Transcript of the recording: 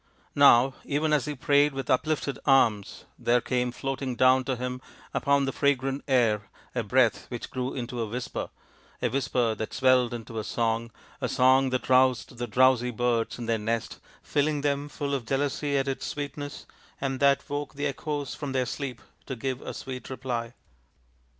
in Now even as he prayed with uplifted arms there came floating down to him upon the fragrant air a breath which grew into a whisper, a whisper that swelled into a song, a song that roused the drowsy birds in their nest filling them full of jealousy at its sweetness, and that woke the echoes from their sleep to give a sweet reply.